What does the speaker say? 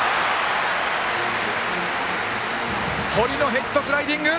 ヘッドスライディング！